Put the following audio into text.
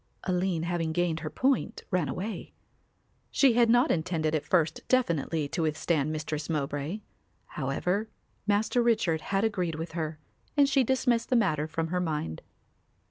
Aline having gained her point ran away. She had not intended at first definitely to withstand Mistress Mowbray. However, Master Richard had agreed with her and she dismissed the matter from her mind.